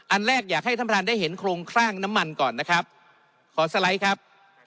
อันแรกอยากให้ท่านประธานได้เห็นโครงสร้างน้ำมันก่อนนะครับขอสไลด์ครับ